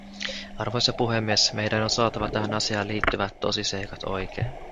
Arvoisa puhemies, meidän on saatava tähän asiaan liittyvät tosiseikat oikein.